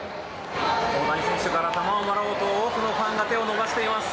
大谷選手から球をもらおうと多くのファンが手を伸ばしています。